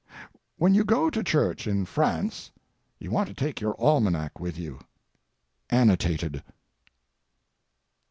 When you go to church in France, you want to take your almanac with you—annotated.